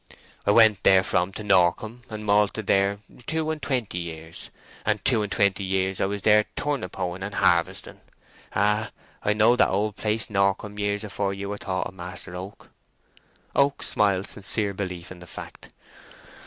I went therefrom to Norcombe, and malted there two and twenty years, and two and twenty years I was there turnip hoeing and harvesting. Ah, I knowed that old place, Norcombe, years afore you were thought of, Master Oak" (Oak smiled sincere belief in the fact).